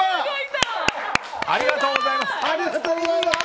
ありがとうございます！